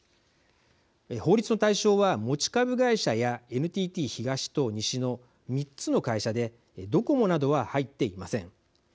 法律の対象は持ち株会社やＮＴＴ東と西の３つの会社でドコモなどは入っていません。